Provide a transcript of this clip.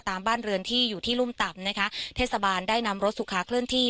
บ้านเรือนที่อยู่ที่รุ่มต่ำนะคะเทศบาลได้นำรถสุขาเคลื่อนที่